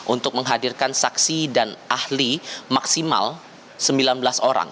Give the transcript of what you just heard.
untuk menghadirkan saksi dan ahli maksimal sembilan belas orang